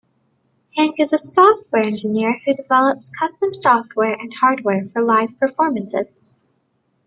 Henke is a software engineer who develops custom software and hardware for live performances.